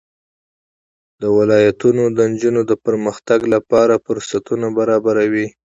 دا ولایتونه د نجونو د پرمختګ لپاره فرصتونه برابروي.